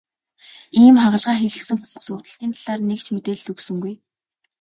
Ийм хагалгаа хийлгэсэн хүмүүс өвдөлтийн талаар нэг ч мэдээлэл өгсөнгүй.